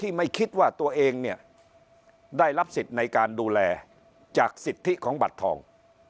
ไม่คิดว่าตัวเองเนี่ยได้รับสิทธิ์ในการดูแลจากสิทธิของบัตรทอง